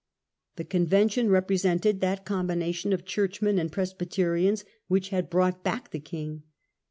The Conven tion represented that combination of Churchmen and Presbyterians which had brought back the king.